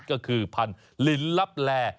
ก็คือพันธุ์ลินลับแล